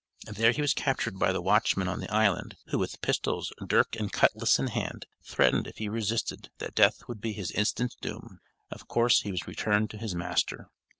There he was captured by the watchman on the Island, who with pistols, dirk and cutlass in hand, threatened if he resisted that death would be his instant doom. Of course he was returned to his master.